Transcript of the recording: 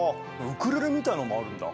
ウクレレみたいのもあるんだ？